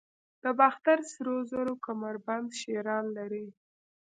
د باختر سرو زرو کمربند شیران لري